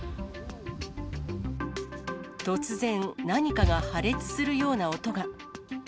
突然、何かが破裂するような音が。